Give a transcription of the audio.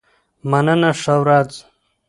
مننه ښه ورځ.